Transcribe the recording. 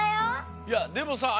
いやでもさあ